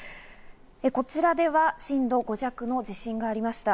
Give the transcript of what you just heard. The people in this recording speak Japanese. こちらでは震度５弱の地震がありました。